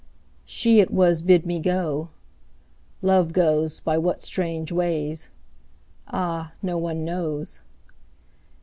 She it was bid me go; Love goes By what strange ways, ah! no One knows.